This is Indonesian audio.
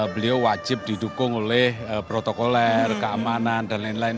beliau wajib didukung oleh protokoler keamanan dan lain lain